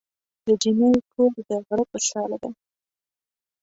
د جینۍ کور د غره په سر دی.